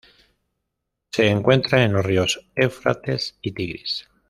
Se encuentra en los ríos Éufrates y Tigris.